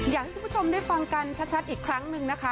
อยากให้คุณผู้ชมได้ฟังกันชัดอีกครั้งหนึ่งนะคะ